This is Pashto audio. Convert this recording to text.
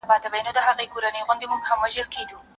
نه په پښو کي یې لرل کاږه نوکونه